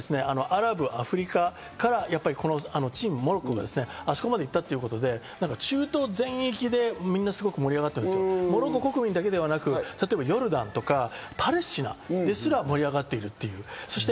今回、アラブ、アフリカからモロッコがあそこまでいったということで、中東全域で盛り上がってるんですよ、モロッコ国民だけではなく、例えばヨルダンとかパレスチナですら盛り上がっている。